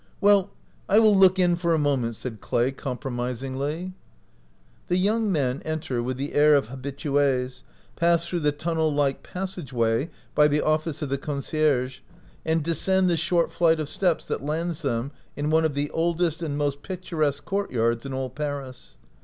" Well, I will look in for a moment," said Clay, ■compromisingly. The young men enter with the air of ha bitues, pass through the tunnel like passage way by the office of the concierge, and descend the short flight of steps that lands them in one of .the oldest and most pictu resque courtyards in all Paris.